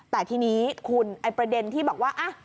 แต่ทีนี้คุณไอ้ประเด็นที่บอกว่า